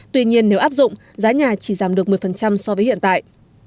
tuy nhiên nếu áp dụng giá nhà chỉ giảm được một mươi so với hiện tại